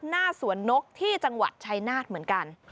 หน้าสวนนกที่จังหวัดชายนาฏเหมือนกัน